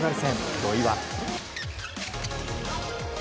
土井は。